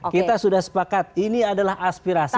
kita sudah sepakat ini adalah aspirasi